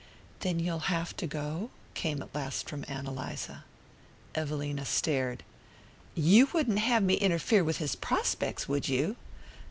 "Then you'll have to go?" came at last from Ann Eliza. Evelina stared. "You wouldn't have me interfere with his prospects, would you?"